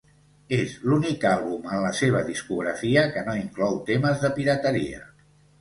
És l'únic àlbum en la seva discografia que no inclou temes de pirateria.